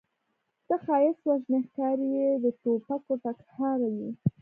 ته ښایست وژنې ښکارې یې د توپکو ټکهار یې